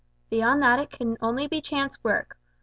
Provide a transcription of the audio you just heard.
Beyond that it can only be chance work.